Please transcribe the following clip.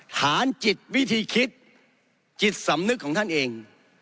ฐานจิตวิธีคิดจิตสำนึกของท่านเอง